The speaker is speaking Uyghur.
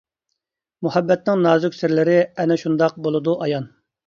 مۇھەببەتنىڭ نازۇك سىرلىرى، ئەنە شۇنداق بولىدۇ ئايان.